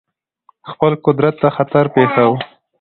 خپل قدرت ته خطر پېښاوه.